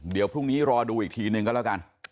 เดี๋ยวพรุ่งนี้รอดูอีกทีหนึ่งก็แล้วกัน